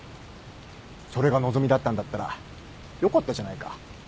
それが望みだったんだったらよかったじゃないか。